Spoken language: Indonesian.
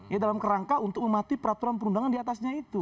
ya dalam kerangka untuk memati peraturan perundangan diatasnya itu